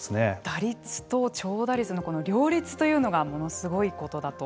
打率と長打率の両立というのがものすごいことだと。